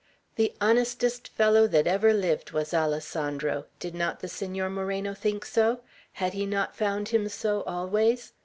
The honestest fellow that ever lived, was Alessandro. Did not the Senor Moreno think so? Had he not found him so always?